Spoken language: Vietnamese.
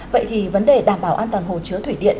vậy thì vấn đề đảm bảo an toàn hồ chứa thủy điện